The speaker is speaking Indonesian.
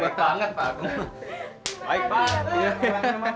baik banget pak